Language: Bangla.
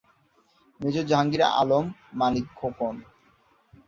মেয়র: জাহাঙ্গীর আলম মালিক খোকন